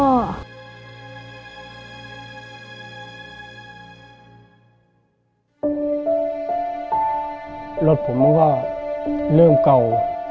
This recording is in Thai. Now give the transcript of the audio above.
รถผมมันก็เริ่มเก่า